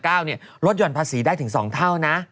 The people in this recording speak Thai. ลดหย่อนภาษีได้ถึง๒เท่านะ